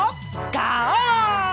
ガオー！